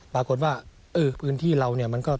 ปรากฏว่าพื้นที่เรา